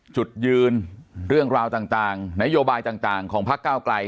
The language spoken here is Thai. จุดยืนเรื่องราวต่างนโยบายต่างของพักเก้าไกล